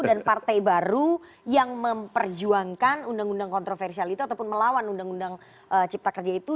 dan partai baru yang memperjuangkan undang undang kontroversial itu ataupun melawan undang undang cipta kerja itu